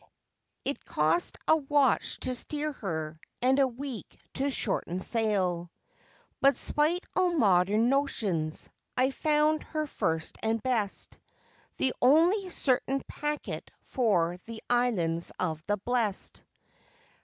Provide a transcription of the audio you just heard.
It cost a watch to steer her, and a week to shorten sail; But, spite all modern notions, I found her first and best The only certain packet for the Islands of the Blest.